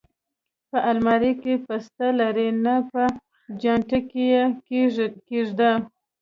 په المارۍ کې، بسته لرې؟ نه، په چانټه کې یې کېږده.